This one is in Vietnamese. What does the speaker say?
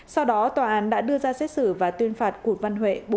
sau đó tòa án đã đưa ra xét xử và tuyên phạt cụt văn huệ bốn năm sau tháng tù